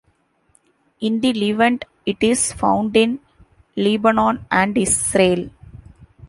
In the Levant it is found in Lebanon and Israel.